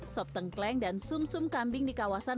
sop tengkleng dan sum sum kambing di kawasan